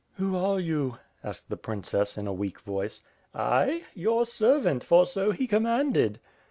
^' "Who are you?" asked the princess in a weak voice. "I? Your servant, for so he commanded."